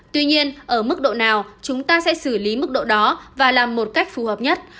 tuy nhiên ở mức độ nào chúng ta sẽ xử lý mức độ đó và làm một cách phù hợp nhất